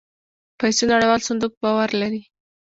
پيسو نړيوال صندوق باور لري.